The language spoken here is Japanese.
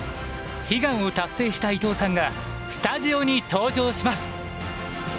悲願を達成した伊藤さんがスタジオに登場します！